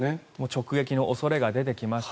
直撃の恐れが出てきました。